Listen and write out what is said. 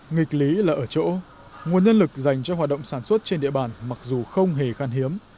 nghịch lý là ở chỗ nguồn nhân lực dành cho hoạt động sản xuất trên địa bàn mặc dù không hề khăn hiếm